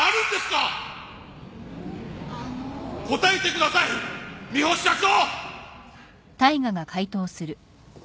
答えてください三星社長！